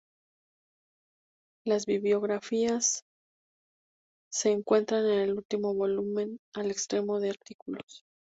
Las bibliografías se encuentran en el último volumen al extremo de artículos.